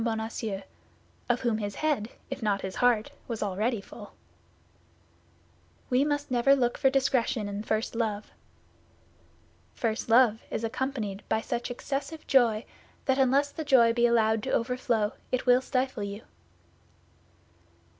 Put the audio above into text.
Bonacieux, of whom his head, if not his heart, was already full. We must never look for discretion in first love. First love is accompanied by such excessive joy that unless the joy be allowed to overflow, it will stifle you.